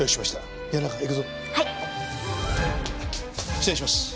失礼します。